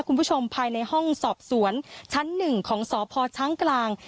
คุณผู้ชมภายในห้องสอบสวนชั้นหนึ่งของสพช้างกลาง